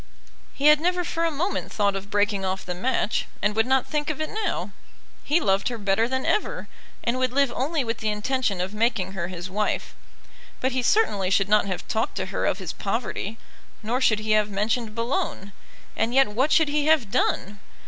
He had never for a moment thought of breaking off the match, and would not think of it now. He loved her better than ever, and would live only with the intention of making her his wife. But he certainly should not have talked to her of his poverty, nor should he have mentioned Boulogne. And yet what should he have done?